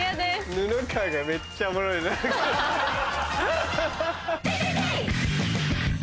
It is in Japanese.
布川がめっちゃおもろいなアハハ。